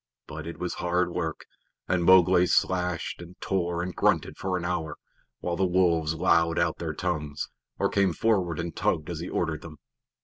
But it was hard work, and Mowgli slashed and tore and grunted for an hour, while the wolves lolled out their tongues, or came forward and tugged as he ordered them.